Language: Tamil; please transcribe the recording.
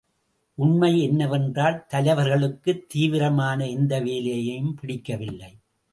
உண்மை என்னவென்றால் தலைவர்களுக்குத் தீவிரமான எந்த வேலையும் பிடிக்கவில்லை.